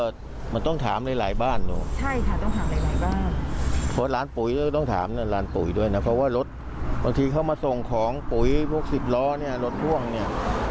ส่งของปุ๋ยพวกสิบล้อเนี่ยรถท่วงเนี่ย